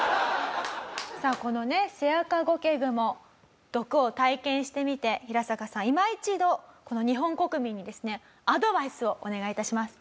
さあこのねセアカゴケグモ毒を体験してみてヒラサカさんいま一度日本国民にですねアドバイスをお願い致します。